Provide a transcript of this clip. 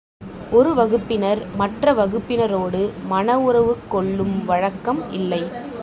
ஒரு வகுப்பினர் மற்ற வகுப்பினரோடு மண உறவு கொள்ளும் வழக்கம் இல்லை.